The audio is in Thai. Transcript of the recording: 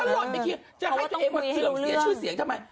หล่อนไปเคลียร์จะให้ตัวเองมาเสื่อมเสียชื่อเสียงทำไม